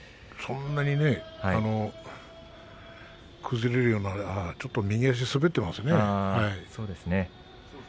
そんなにね崩れるようなちょっと右足が滑っていますね。